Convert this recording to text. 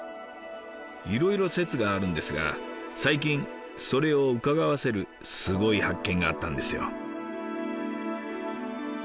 いろいろ説があるんですが最近それをうかがわせるすごい発見があったんですよ。